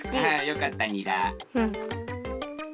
よかったにら。